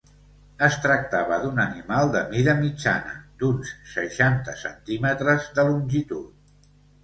Es tractava d'un animal de mida mitjana, d'uns seixanta centímetres de longitud.